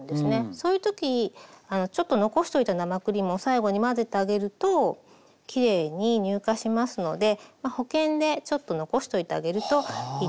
そういう時ちょっと残しておいた生クリームを最後に混ぜてあげるときれいに乳化しますので保険でちょっと残しておいてあげるといいと思います。